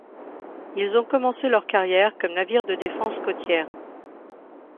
Ils ont commencé leur carrière comme navires de défense côtière.